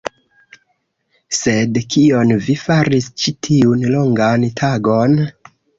Sed, kion vi faris ĉi tiun longan tagon?